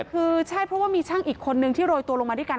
คือใช่เพราะว่ามีช่างอีกคนนึงที่โรยตัวลงมาด้วยกัน